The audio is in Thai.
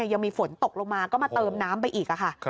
ยังมีฝนตกลงมาก็มาเติมน้ำไปอีกค่ะ